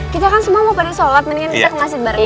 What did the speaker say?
kita kan semua mau pada sholat mendingan kita kemasin bareng